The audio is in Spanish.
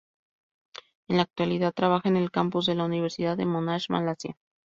En la actualidad trabaja en el Campus de la Universidad de Monash Malasia.